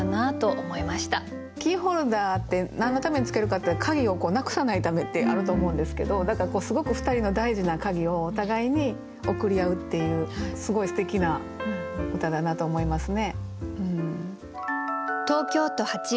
キーホルダーって何のためにつけるかっていったら鍵をなくさないためってあると思うんですけどだからすごく２人の大事な鍵をお互いに贈り合うっていうすごいすてきな歌だなと思いますね。